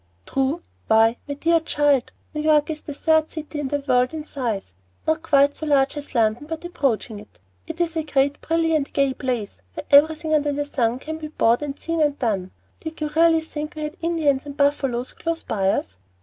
"True! why, my dear child, New York is the third city of the world in size, not quite so large as London, but approaching it. It is a great, brilliant, gay place, where everything under the sun can be bought and seen and done. Did you really think we had Indians and buffaloes close by us?"